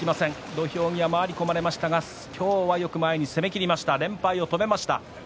土俵際、回り込まれましたがよく攻めきりました連敗を止めました。